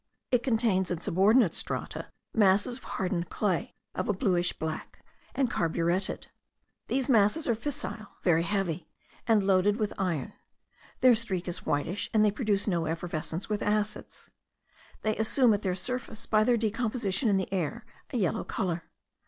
It contains in subordinate strata, masses of hardened clay of a blackish blue, and carburetted. These masses are fissile, very heavy, and loaded with iron; their streak is whitish, and they produce no effervescence with acids. They assume at their surface, by their decomposition in the air, a yellow colour.